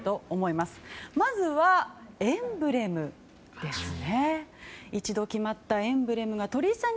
まずは、エンブレムですね。